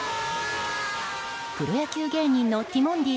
プロ野球芸人のティモンディ